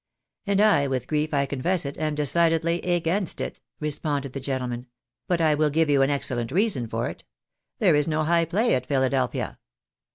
"And I, with grief I confess it, am decidedly against it," responded the gentleman ;" but I will give you an excellent reason for it. There is no high play at Philadelphia."